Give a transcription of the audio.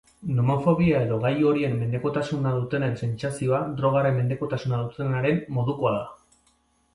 Nomofobia edo gailu horien mendekotasuna dutenen sentsazioa drogaren mendekotasuna dutenenaren modukoa da.